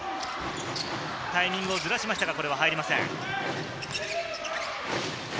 タイミングをずらしましたが、これは入りません。